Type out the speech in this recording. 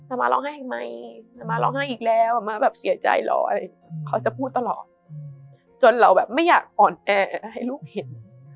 มาร้องไห้ไหมจะมาร้องไห้อีกแล้วม้าแบบเสียใจเหรออะไรเขาจะพูดตลอดจนเราแบบไม่อยากอ่อนแอให้ลูกเห็น